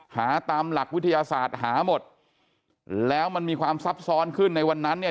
หาตามหลักวิทยาศาสตร์หาหมดแล้วมันมีความซับซ้อนขึ้นในวันนั้นเนี่ย